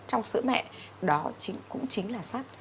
trong sữa mẹ đó cũng chính là sắt